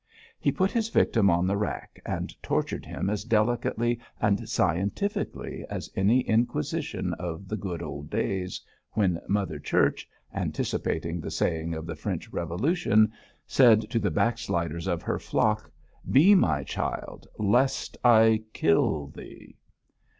He put his victim on the rack, and tortured him as delicately and scientifically as any Inquisition of the good old days when Mother Church, anticipating the saying of the French Revolution, said to the backsliders of her flock, 'Be my child, lest I kill thee.'